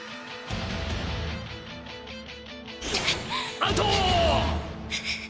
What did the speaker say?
アウト！